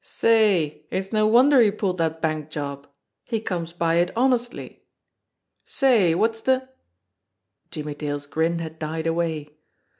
"Say, it's no wonder he pulled that bank job! He comes by it honestly ! Say, what's the " Jimmie Dale's grin had died away.